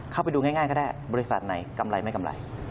เข้าไปดูง่ายก็ได้บริษัทไหนกำไรไม่กำไร